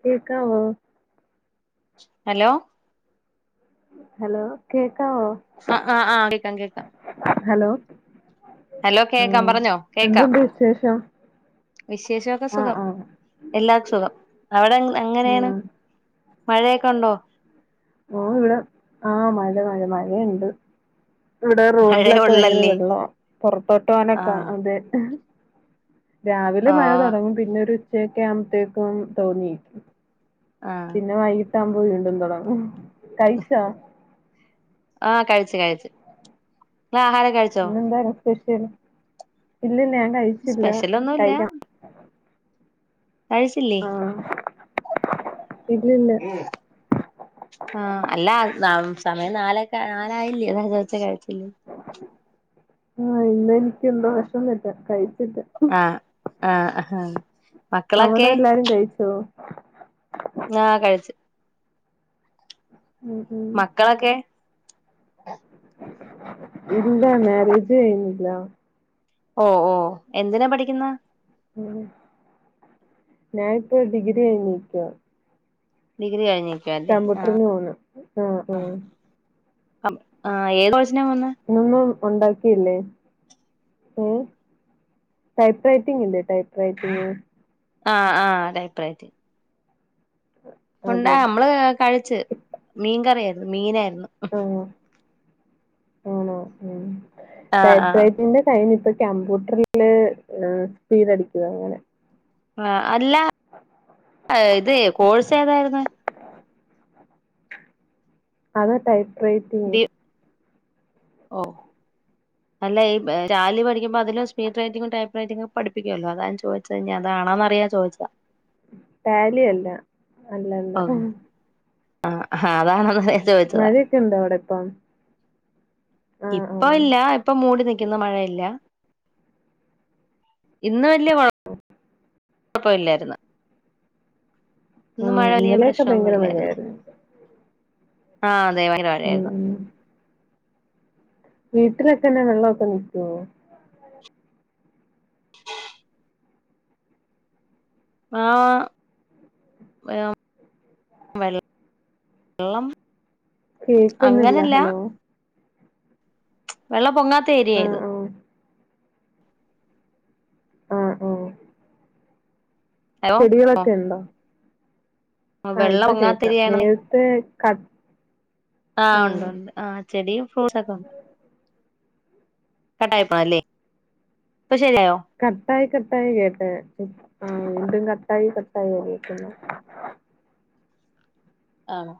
കേൾക്കാവോ hello hello കേ ആ ആഹ ആഹാം കേക്കാം കേക്കാം ഹലോ ഹലോ കേക്കാം ആഹ് പറഞ്ഞോ കേക്കാം എന്തുണ്ട് വിശേഷം വിശേഷക്കെ ആഹ് സുഖം ആഹ് എല്ലാർക്കും സുഖം അവിടെ ങ്ങ അങ്ങനെയാണ് ഉം മഴയൊക്കെ ഉണ്ടോ ഓ ഇവിടെ ആഹ മഴ മഴ മഴയെണ്ട് ഇവിടെ മഴയ റോഡിലക്കെ ഭയങ്കര ഉള്ളല്ലേ വെള്ളാ പോറത്തോട്ട് ആ പോനൊക്കെ അതെ രാവിലെ ആ മഴ തുടങ്ങും പിന്നോരു ച്ചേക്ക്മ്പത്തേക്കും തോന്നി ആ പിന്നെ വൈയ് ട്ടാ മ്പോ വീണ്ടും തുടങ്ങും കഴിച്ചോ ആഹ കഴിച്ച് കഴിച്ചു ളാഹാരോക ഴിച്ചോ സ്പഷ്യൽ ഇല്ലന്നെ കഴിച്ചില്ല സ്പെഷ്യലൊന്നുല്ല കഴിക്കണം കഴിച്ചില്ലേ ആഹ് ഇല്ലില്ല ആഹ് അല്ലാ നമ് സമയം നാലെക്കാ നാലായില്ല്യോ അതാ ചോച്ച് കഴിച്ചില്ലേന്ന് ആഹ് ഇന്ന് എനിക്ക് എന്തോ വേശന്നില്ല കഴി ആ ആ അഹ് അവിടെ എല്ലാരും കഴിച്ചോ ങ്ങ കഴിച്ച് ഉം ഉം മക്കളൊക്കെ [unintelligible] ഇല്ല മാരേജ് കയിഞ്ഞില്ല ഓ ഓ എന്തിനാ പഠിക്കുന്ന ഞാനിപ്പോ ഡിഗ്രി കഴിഞ്ഞിക്കുവ ഡിഗ്രീ കഴിഞ്ഞ് കമ്പ്യൂട്ടറിന് പോന്ന് ആഹ് ആ അം ഏത് കോഴ്സ് ന്ത്ന്നാ വന്ന ഉണ്ടാക്കിയില്ലേ ടൈപ്പ് റൈറ്റിംഗ് ഇല്ലേ ടൈപ്പ് റൈറ്റിംഗ് ആഹ് ആഹ് ടൈപ്പ്‌ റൈറ്റിംഗ് ഉണ്ട അതെ അതെ നമ്മള് കഴിച്ച് മീൻ കറിയ മീനായിരുന്നു [inaudible] ആഹ് ആണോ ഉം ആഹ് ടൈപ്പ് ആഹ് റൈറ്റിന്റെ കൈഞ്ഞിപ്പോ കമ്പ്യൂട്ടറില് സ്പീഡ് അടിക്കുക അങ്ങനെ ആ അല്ലാ ഇത് കോഴ്സ് ഏതായിരുന്നു ആതട്ടായി ഡി [unintelligible] ഓ നല്ല ഈ ജാലി മേടി നിയിപ്പം അതില് സ്പീഡ് റൈറ്റിങ് ടൈപ്പ് പഠിപ്പിക്കുമല്ലോ അതാ ചോദിച്ചത് ഇനി അതാണോന്നറിയാൻ ചോദിച്ചാ ഡാലിയല്ല അല്ലല്ല ആ അതാണെന്നെ മഴയൊക്കെ ഉണ്ടോ അവിടെ ഇപ്പം ആഹ് ഇപ്പ ആഹ് ഇല്ല ഇപ്പ മൂടി നി ഇന്ന് മഴയില്ല ഇന്ന് വലൃ ആ കുഴപ്പം ഇല്ലായിരുന്നു ആ ഇന്നലെയൊക്കെ ഭയങ്കര മഴയായിരുന്നു ആ അതേ ഉം [unintelligible] ഉം വീട്ടിലൊക്കെന്നെ വെള്ളമൊക്കെ നിക്കുവോ ആഹ് വെള്ളം കേക്കുന്നില്ല ഹലോ വെള്ള പൊങ്ങാ [inaudible] തരിയത് ആഹ് ആഹ് ആ ആ ഹലോ ചെടികളൊക്കെ ഉണ്ടോ ആഹ് വെള്ളം ഇപ്പൊ കേക്കാം ഒങ്ങാത്തിരിയാണ നേരത്തെ കട്ട് ആഹ് ഉണ്ട് ഉണ്ട് ആ ചെടിയും ഫ്രൂട്ട്സൊക്കെ ഒക്കെ ഉണ്ട് കട്ടായിപോയല്ലേ ഇപ്പൊ ശരിയായോ കട്ടായി കട്ടായി കേട്ട ആ എന്തും കട്ടായി കട്ടായി കേക്കുന്നു ആണോ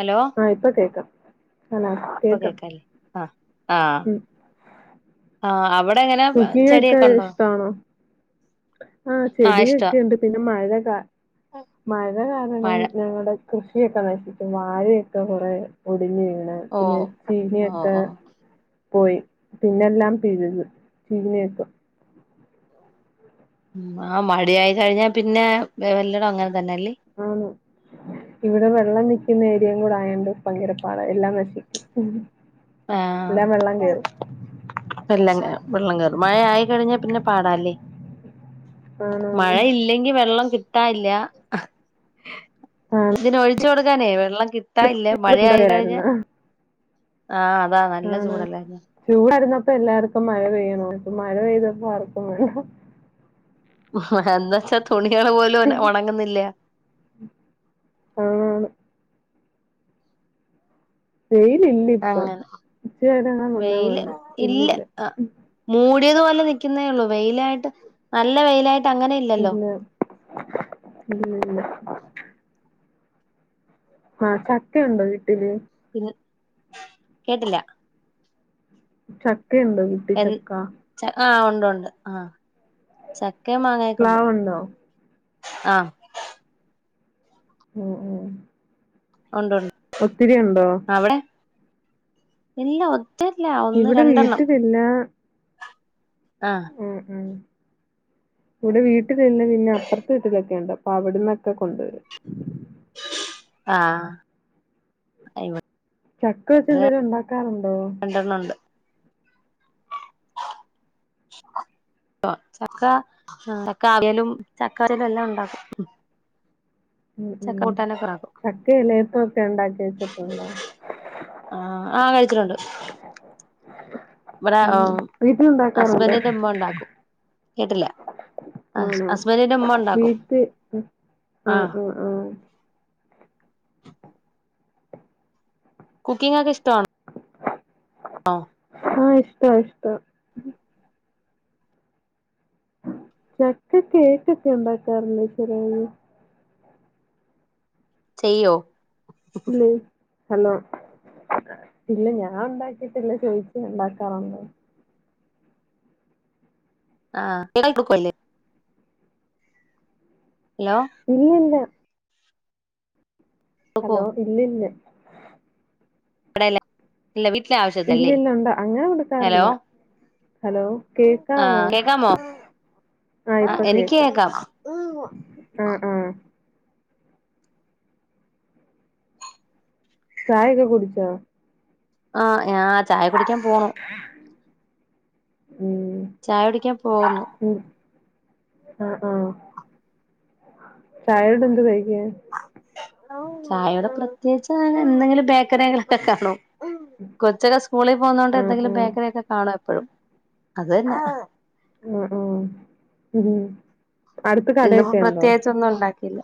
ഹലോ ആ ഇപ്പ കേക്കാം അല്ല ഇപ്പൊ കേക്കാം കേക്കാല്ലേ ആ ആ അവ് കുക്കിങ്ങൊക്കെ ഇഷ്ടാണോ ആ ആഹ് ഇഷ്ടവാ ചെടിയൊക്കെ ഉണ്ട് പിന്നെ മഴ കാ മഴ കാരണം മഴ ഞങ്ങടെ കൃഷിയൊക്കെ നശിച്ചു വാഴയക്കെ കൊറെ ഒ ഒടിഞ്ഞു വീണ് ഓ പിന്നെ ഓ ചീനിയൊക്ക ഓ പോയി പിന്നെല്ലാം പിഴ്‌തു പിഴ്തേക്ക ആ മടി ആയി കഴിഞ്ഞാ പിന്നെ എല്ലടോം അങ്ങനെ തന്നെല്ലേ ആന്ന് ഇവിടെ വെള്ളം നി ന്ന ഏരിയയും കൂടെ ആയോണ്ട് പങ്കരപ്പാടാ എല്ലാം നശിക്കും ആഹ് എല്ലാം വെള്ളം കേറും. എല്ലാ വെള്ളം കയറും മഴ ആയി കഴിഞ്ഞാൽ പിന്നെ പാടാല്ലേ ആണാണ്. മഴ ഇല്ലെങ്കി വെള്ളം കി കിട്ടാല്ല ആണ്. ഇതിന ഒഴി കൊടുക്കാനേ വെള്ളം കി കിട്ടാൻ ഇല്ലാ ഇവിടെ മഴ ആയി ചൂടൊക്കെ കഴിഞ്ഞ ആയിരുന്ന്. ആഹ് അതാ നല്ല ചൂടല്ലായിന്ന ചൂടായിരുന്നപ്പോൾ എല്ലാരു ഇപ്പംമഴ പെയ്യണ [unintelligible] മഴപെയ്തപ്പോൾ ആർക്കും [unintelligible] എന്ന് വെച്ചാ തുണി ള് പോലും ഒണങ്ങുന്നില്ല ആ ണാണ് വെയിലില്ലി പ്പം അങ്ങനെ ഉച്ചവരെ ങ്ങനെ വന്നാ വെയില് വന്ന് പിന്നില്ല ഉം ടിയത്പോലെ നിക്കുന്നേ ഉള്ളൂ വെയിലായിട്ട് നല്ല വെയിലായി ഇല്ല ഇല്ലല്ല ആ ചക്ക യുണ്ടോ വീട്ടില് പിന്ന കേട്ടില്ല ച ക്കണ്ട് വീട്ടിച്ചക്ക ണ്ട്ണ്ട് ആ ചക്കയും മാങ്ങായെക്കൊണ്ട് പ്ലാവുണ്ടോ ആ ഉം ഉം ഉണ്ട് ഉണ്ട് ഒത്തിരി ഉണ്ടോ അവിടെ ഇല്ല ഒ ഇവിടെ വീട്ടിലില്ല ആഹ് ഉം ഉം ഇവിടെ വീ ട്ടിലില്ല പിന്നെ അപെർത്തെ വീട്ടിലൊക്കെ യുണ്ട് അവിടന്നൊക്കെ കൊണ്ടുവരും ആ ഇവ ചക്ക വെച്ച് എന്തേലുണ്ടാക്കാറുണ്ടോ [unintelligible] ചക്ക ചക്കവിയലും ചക്ക [unintelligible] എല്ലാം ഉണ്ടാക്കും ഉം ചക്ക ഉം കൂട്ടാനൊക്കെ ഉണ്ടാക്കും ചക്കയിലേപ്പൊക്കെ ഉണ്ടാക്കി വെച്ചിട്ടുണ്ടോ ച്ചിട്ട്ണ്ട് ഉം വീട്ടിലുണ്ടാക്കാറുണ്ടോ ഹസ്ബൻഡിന്റെ ഉമ്മ ഉണ്ടാക്കും കേട്ടില്ല ആന്നോ ഹസ്ബൻഡിന്റെ ഉമ്മ ഉണ്ടാക്കും വീട്ടി ആ ആഹ് ആ ആ കുക്കിംഗ് ഒക്കെ ഇഷ്ട ണോ ആ ഇഷ്ട ഇഷ്ട ചക്ക കേക്കൊക്കെ ഉണ്ടാക്കാറണ്ട് ചേലേന്ന് ചെയ്യോ ഇല്ലേ ഹലോ ഇല്ല ഞാൻ ഒണ്ടാക്കിട്ടില്ല ചോയിച്ചയാ ഒണ്ടാക്കാറുണ്ടോന്ന് ആ [unintelligible] ഹലോ ഇല്ല ഇല്ല കൊടുക്കുവോ ഹലോ ഇല്ല ഇല്ല അവിടയല്ലേ ഇല്ലല്ല ഒണ്ട് അങ്ങനെ ഹലോ കൊടുക്കാറില്ല ഹലോ കേക്കാവോ ആഹ് കേക്കാമോ ആ ആഹ് ഇപ്പൊ എനിക്ക് കേക്കാം ആ ആ ചായൊക്കെ കുടിച്ചോ? ആഹ് ആഹ് ചായ കുടിക്കാൻ പോണു. ഉം ചായ കുടിക്കാൻ പോകുന്നു. ഉം ആഹ് ആഹ് ചായേടെ കൂടെ എന്ത് കഴിക്കാൻ? ചായയുടെ പ്രത്യേകിച്ച് അങ്ങനെ എന്തെങ്കിലും ബേക്കറികളൊക്കെ കാണോ കൊച്ചൊക്കെ സ്കൂളിൽ പോകുന്നതോണ്ട് ആഹ് എന്തെങ്കിലും ആഹ് ബേക്കറി ഒക്കെ കാണോ എപ്പോഴും അത് തന്നെ മ്മ്മ് ഉം അടുത്ത് ഇന്നിപ്പോ കടയൊക്കെ ഉണ്ടോ പ്രത്യേകിച്ച് ഒന്നും ഉണ്ടാക്കില്ല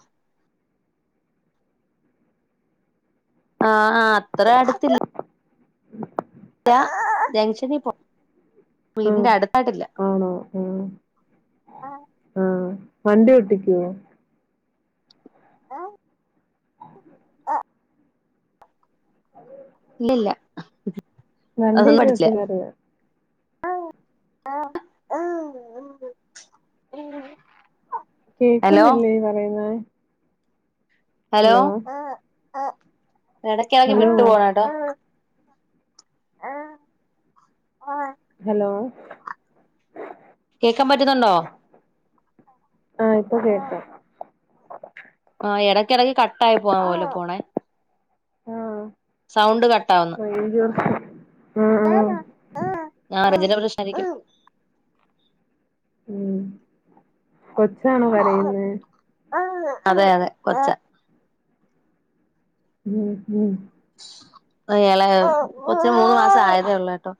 ആ ആ അത്ര അടുത്തില്ല ല്ലാ ജംഗ്ഷനി പോ ആഹ് വീടിന്റെ അടുത്തായിട്ടില്ല ആണോ ആഹ് ആ ആഹ് വണ്ടി ഓട്ടികുവോ ഇലില്ലാ വണ്ടി [unintelligible] ഹലോ കേൾക്കുന്നില്ലേ പറയുന്ന ഹലോ എടകകെ ഹലോ വിട്ടു പോണ ട്ടോ [unintelligible] ഹലോ കേക്കാൻ പറ്റുന്നുണ്ടോ ആ ഇപ്പോ കേക്കാം ആ എടക്ക് എടക്ക് കട്ടായി പോവുന്ന പോലെ പോണേ ആ സൗണ്ട് കട്ടാവുന്നു റേഞ്ച് പ്രശ്നം ആ ആ [inaudible] ഫ്രഷാരിക്കും ഉം കൊച്ചാണോ കരയുന്നെ അതെ അതെ കൊച്ച ഉം ഉം എളേ കൊച്ച് മൂന്ന് മാസ ആയതേ ഉള്ളൂട്ടോ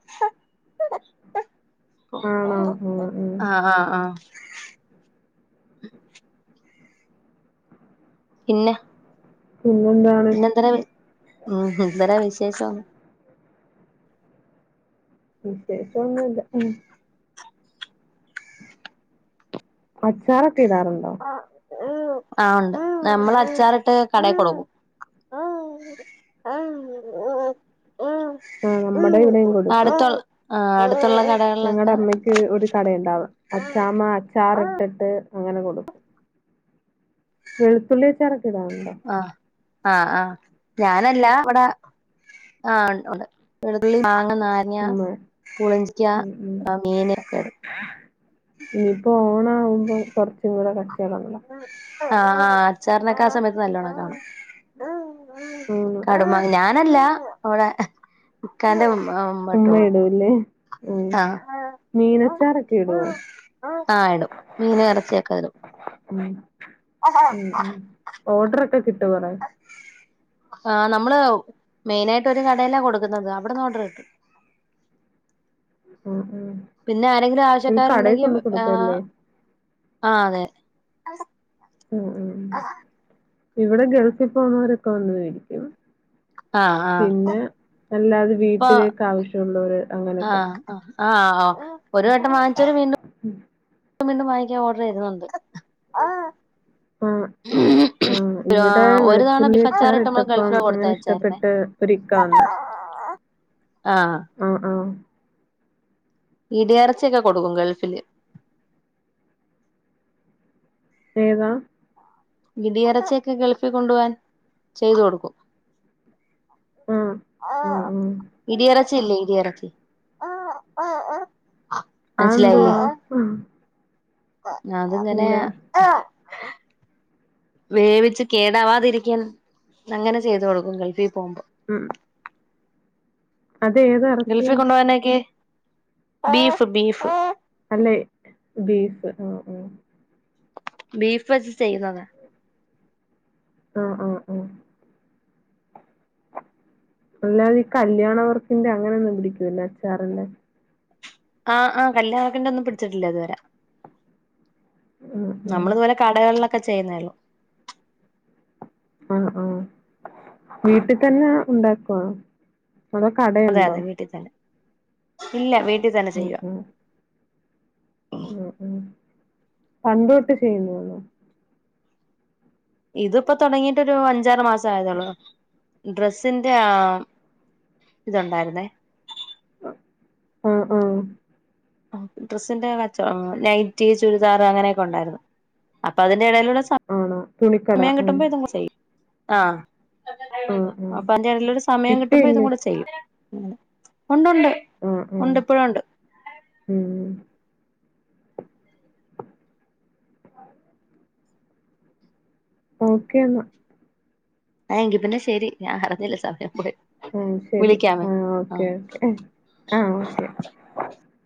ആണോ ആ ആ ആ ആ പിന്നാ പിന്നെന്താണ് ഉം ഹും എന്തെല്ല വിശേഷോ വിശേഷോനുല്ല ഉം അച്ചാർ ഒക്കെ ഇടാറുണ്ടോ ആ ഇണ്ട് നമ്മൾ അച്ചാറിട്ട് കടയി കൊടുക്കും ആ നമ്മുടെ ഇവിടെയും കൊടുക്കും അടുത്തുൾ ആ അ ഞങ്ങളുടെ അമ്മയ്ക്ക് ഒരു കടയുണ്ടാവും അച്ചാമ്മ അച്ചാർ ഇട്ടിട്ട് അങ്ങനെ കൊടുക്കും വെളുത്തുള്ളിയച്ചാർ ഇടാറുണ്ടോ ആ ആ ആ ഞാനല്ല ഇവിടെ ആ ഉണ്ട് നാരങ്ങ ഉം പുളിഞ്ചിക്ക ഉം ഉം ആ മീനൊക്കെ ഇടും ഇനിപ്പോ ഓണാവും അപ്പം കുറച്ചും കൂടെ കച്ചോടം ആ അച്ചാറിനൊക്കെ ആ സമയത്ത് നല്ലോണം കാണും ആണ് കടുമാങ്ങ ഞാൻ ഞാനല്ല ഇവിടെ ഇക്കാന്റെ ഇമ്മ ഉമ്മ ഇമ്മട്ടോളും ഇടൂല്ലേ ഉം മീനച്ചാറൊക്കെ ഇടുവോ ആ ഇടും മീനും ഇറച്ചിയൊക്കെ ഇടും ഉം ഉം ഉം ഓർഡർ കിട്ടോ കൊറേ ഹാ നമ്മള് മെയിനായിട്ട് ഒരു കടേലാ കൊടുക്കുന്നത് അവിടന്ന് ഓർഡർ കിട്ടും ഉം ഉം പിന്നെ ആരെങ്കിലും ഒരു കടയിൽ ആവശ്യക്കാരുണ്ടെങ്കിൽ കൊണ്ട് ആ കൊടുക്കുവല്ലേ ആ അതെ ഉം ഉം [unintelligible] ഇവിടെ ഗൾഫിൽ പോവുന്നവരൊക്കെ വന്ന് മേടിക്കും ആ ആ പിന്നെ അല്ലാതെ ഇപ്പൊ വീട്ടിലേക്ക് ആവശ്യള്ളൊര് ആ അങ്ങനെയൊക്കെ ആ ആ ഒരു വട്ടം വാങ്ങിച്ചവര് വീണ്ടും- വീണ്ടും വാങ്ങിക്കാൻ ഓർഡർ ചെയ്യുന്നവരുണ്ട് ആ ആ ഇവിടെ ഒരു തവണ ബീഫ് വെളുത്തുള്ളിയച്ചാർ അച്ചാറിട്ട് നമ്മള് ഇട്ടപ്പം ഗൾഫില് അങ്ങനെ കൊടുത്തയച്ചായിരുന്നേ ഇഷ്ടപ്പെട്ട് ഒരിക്ക വന്ന് ആ ഇടിയറച്ചിയൊക്കെ കൊടുക്കും ഗൾഫിൽ ഏതാ ഇടിയിറച്ചിയൊക്കെ ഗൾഫിൽ കൊണ്ടുപോവാൻ ചെയ്തു കൊടുക്കും ആഹ്. ആഹ് ആഹ്. ഇടിയറച്ചി ഇല്ലേ ഇടിയറച്ചി [inaudible] അതെന്തുവാ ഞാൻ ത്ങ്ങനെ ഇല്ല. വേവിച്ച് കേടാവാതിരിക്കാൻ അങ്ങനെ ചെയ്തു കൊടുക്കും ഗൾഫി പോവു മ്പോ ഉ ഉം അതേത് ഗൾഫി എറച്ചിയാ? കൊണ്ടോവാനക്കേ ബീഫ് ബീഫ് അല്ലെ ബീഫ് ആ ആ ബീഫ് വെച്ച് ചെയ്യ്ന്നതാ ആ ആ ആ അല്ലാതെ ഈ കല്യാണവർക്കിന്റെ അങ്ങനൊന്നും വിളിക്കൂലെ അച്ചാറില്ലെ ആ ആ കല്യാണത്തിന്റെന്നും പിടിച്ചി ട്ടില്ല ഇതുവരെ ആഹ് ആഹ്. നമ്മളിതുപോലെ കടകളില ക്കെ ചെയ്യുന്നെള്ളു അ ആ വീട്ട് തന്നെ ഉണ്ടാക്കോ അതോ അതെ കടയുണ്ടോ? അതെ വീട്ടിൽ തന്നെ ഇല്ല വീ ഇത് തന്നെ ആഹ് ചെയ്യ ആഹ്. പണ്ടോട്ട് ചെയ്യുന്നൊള്ളു ഇത്പ്പോ തൊടങ്ങീട്ടൊരു അഞ്ചാറ് മാസായതൊള്ളൂ ഡ്രസ്സിന്റെ ആ ഇതുണ്ടായിരുന്നേ ആ ആ ആഹ് ഡ്രസ്സിന്റെ കച്ചോ ആ നൈറ്റി ചുരിദാറ് അങ്ങനെയൊക്കെ ഒണ്ടായിരുന്നു അപ്പ അത് തിന്റെ എടയിലൂടെ സമ ആണോ? തുണിക്കട. സമയം ആഹ്. കിട്ടുമ്പ ഇതങ്ങ് ചെയ്യും. ആഹ് ആഹ് ആഹ്. അപ്പൊ അയിന്റെടയിലൂടെ സമയം ഇപ്പ കിട്ടുമ്പോ ഇതും ഇല്ലേ? കൂടെ ചെയ്യും [unintelligible] ഒണ്ട് ഒണ്ട് ആഹ് ആഹ്. ഒണ്ട് ഇപ്പോഴൊണ്ട്. ഉം. ഓക്കേ എന്നാ. ആ എങ്കി പിന്നെ ശെരി ഞാൻ അറിഞ്ഞില്ല സമയം പോയെ. ഉം ശരി ആ ഓക്കെ ഓക്കേ ആ ഓക്കെ.